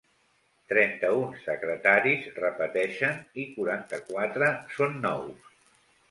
Trenta-un secretaris repeteixen i quaranta-quatre són nous.